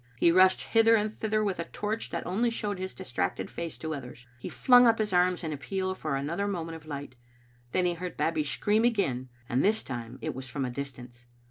He rushed hither and thither with a torch that only showed his distracted face to others. He flung up his arms in appeal for an other moment of light ; then he heard Babbie scream again, and this time it was from a distance.